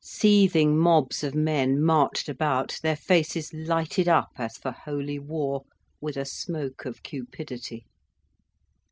Seething mobs of men marched about, their faces lighted up as for holy war, with a smoke of cupidity.